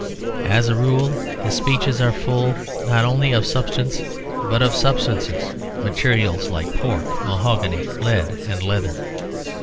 As a rule his speeches are full, not only of substance, but of substances, materials like pork, mahogany, lead, and leather.